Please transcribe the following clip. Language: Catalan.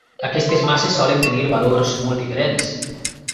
Aquestes masses solen tenir valors molt diferents.